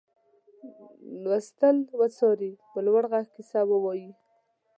لوستل وڅاري په لوړ غږ کیسه ووايي.